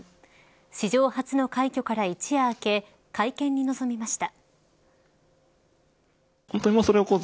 史上初の快挙から一夜明け会見に臨みました。